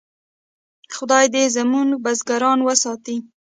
خدای دې زموږ بزګران وساتي.